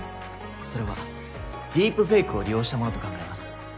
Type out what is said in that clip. それはディープフェイクを利用したものと考えます。